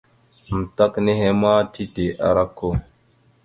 Amətak nehe ma tide ara okko.